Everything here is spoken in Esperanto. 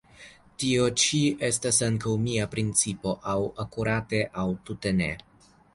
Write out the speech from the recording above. Tio ĉi estas ankaŭ mia principo; aŭ akurate, aŭ tute ne!